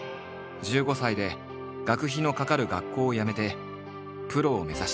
１５歳で学費のかかる学校をやめてプロを目指した。